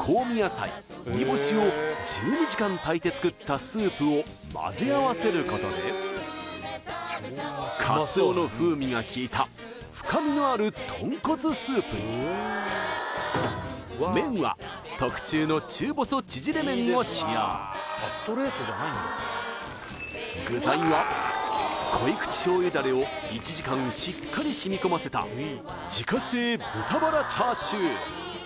香味野菜煮干しを１２時間炊いて作ったスープをまぜあわせることでカツオの風味がきいた深みのあるとんこつスープに麺はを使用具材は濃い口醤油ダレを１時間しっかりしみこませた自家製豚バラチャーシュー